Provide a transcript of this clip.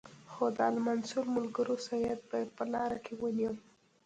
خو د المنصور ملګرو سید بیا په لاره کې ونیو.